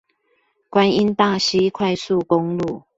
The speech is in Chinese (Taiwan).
觀音大溪快速公路